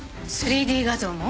３Ｄ画像も？